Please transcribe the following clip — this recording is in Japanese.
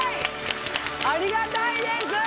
ありがたいです！